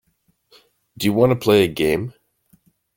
Do you want to play a game.